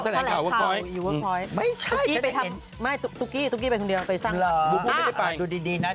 คุณตาคุณยายคุณยาย